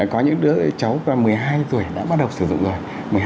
có những đứa cháu một mươi hai tuổi đã bắt đầu sử dụng rồi